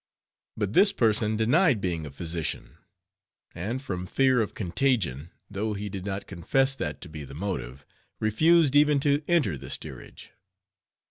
But this person denied being a physician; and from fear of contagion—though he did not confess that to be the motive—refused even to enter the steerage.